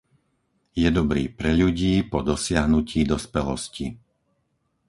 Je dobrý pre ľudí po dosiahnutí dospelosti.